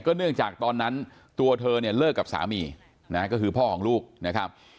เนื่องจากตอนนั้นตัวเธอเนี่ยเลิกกับสามีนะก็คือพ่อของลูกนะครับ